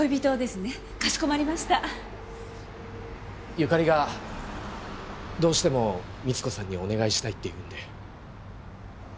由香利がどうしても三津子さんにお願いしたいって言うんで。